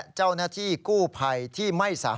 มันเกิดเหตุเป็นเหตุที่บ้านกลัว